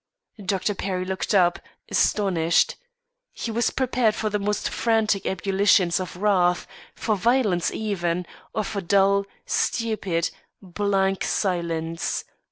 Dr. Perry looked up, astonished. He was prepared for the most frantic ebullitions of wrath, for violence even; or for dull, stupid, blank silence.